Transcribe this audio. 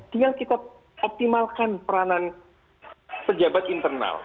tinggal kita optimalkan peranan pejabat internal